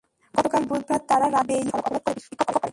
গতকাল বুধবার তারা রাজধানীর বেইলি রোডে সড়ক অবরোধ করে বিক্ষোভ করে।